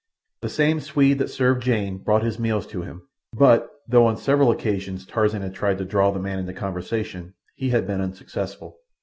The same Swede that served Jane brought his meals to him, but, though on several occasions Tarzan had tried to draw the man into conversation, he had been unsuccessful.